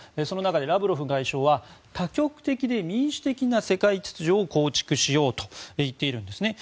その中でラブロフ外相は多極的で民主的な世界秩序を構築しようと言っているんです。